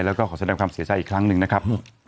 แล้วก็ขอแสดงความเสียใจอีกครั้งหนึ่งนะครับ